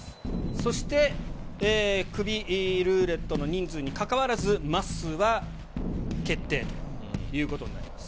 そして、クビルーレットの人数にかかわらず、まっすーは決定ということになります。